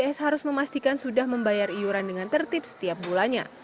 s harus memastikan sudah membayar iuran dengan tertib setiap bulannya